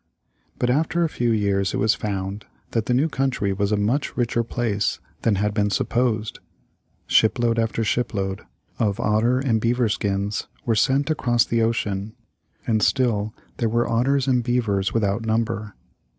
But after a few years it was found that the new country was a much richer place than had been supposed. Shipload after shipload of otter and beaver skins were sent across the ocean and still there were otters and beavers without number.